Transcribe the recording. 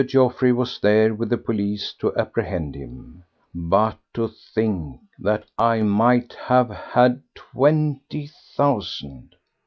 Geoffroy was there with the police to apprehend him. But to think that I might have had twenty thousand—!